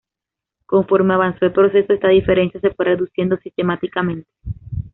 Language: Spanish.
Conforme avanzó el proceso esta diferencia se fue reduciendo sistemáticamente.